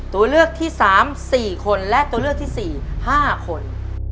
ตัวเลือกที่๓๔คนและตัวเลือกที่๔๕คน